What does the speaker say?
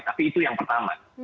tapi itu yang pertama